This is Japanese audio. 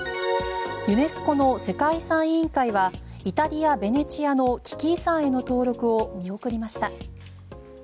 ユネスコの世界遺産委員会はイタリア・ベネチアの危機遺産への登録を見送りました。